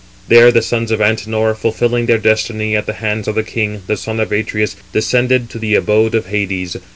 There the sons of Antenor, fulfilling their destiny at the hands of the king, the son of Atreus, descended to the abode of Hades.